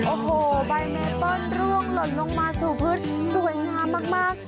โอ้โหใบเมตต้นร่วงหล่นลงมาสู่พืชสวยงามมากมาก